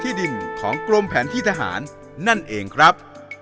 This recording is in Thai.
ดินของกรมแผนที่ทหารนั่นเองครับ